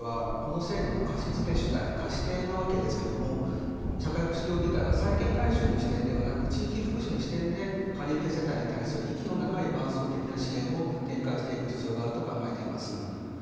社協は、この制度貸付主体なわけですけれども社会福祉協議会は地域福祉の視点で借り受け世帯に対する息の長い伴走支援を展開していく必要があると考えています。